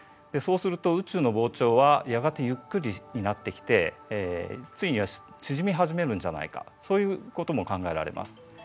そうすると宇宙の膨張はやがてゆっくりになってきてついには縮みはじめるんじゃないかそういうことも考えられます。